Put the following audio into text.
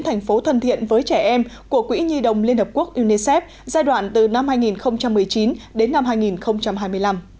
thành phố thân thiện với trẻ em của quỹ nhi đồng liên hợp quốc unicef giai đoạn từ năm hai nghìn một mươi chín đến năm hai nghìn hai mươi năm